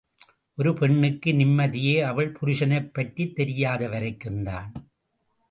ஒரு பெண்ணுக்கு நிம்மதியே அவள் புருஷனைப் பற்றி தெரியாத வரைக்கும் தான்.